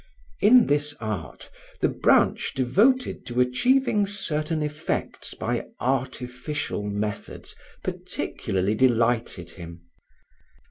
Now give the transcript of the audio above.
In this art, the branch devoted to achieving certain effects by artificial methods particularly delighted him.